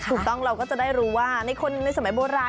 ถูกต้องเราก็จะได้รู้ว่าในคนในสมัยโบราณ